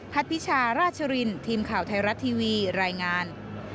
พัทพิชาราชรินทร์ทีมข่าวไทยรัตน์ทีวีรายงาน